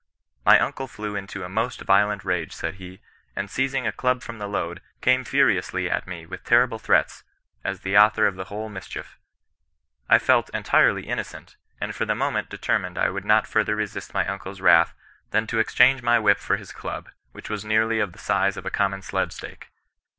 " My uncle flew into a most violent rage," said he, '' and seiz ing, a club from the load, came furiously at me with ter rible threats, as the author of the whole mischief. I felt entirely innocent, and for the moment determined I would not further resist my uncle's wrath than to ex change my whip for his club, which was nearly of the size of a common sled stake.